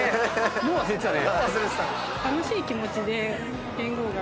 もう忘れてたね。